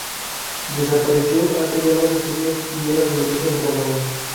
Desapareció hace ya varios siglos y era de origen romano.